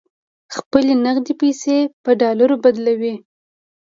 خپلې نغدې پیسې یې پر ډالرو بدلولې.